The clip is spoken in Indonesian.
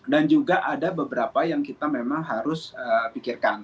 dan juga ada beberapa yang kita memang harus pikirkan